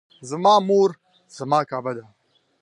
زما مور زما کعبه ده